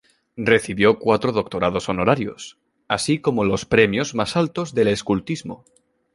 Recibió cuatro doctorados honorarios, así como los premios más altos del escultismo.